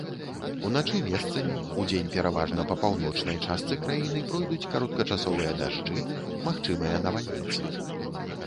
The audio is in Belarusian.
Уначы месцамі, удзень пераважна па паўночнай частцы краіны пройдуць кароткачасовыя дажджы, магчымыя навальніцы.